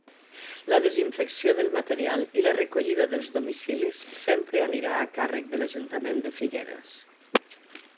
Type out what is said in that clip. La desinfecció del material i la recollida dels domicilis sempre anirà a càrrec de l'Ajuntament de Figueres.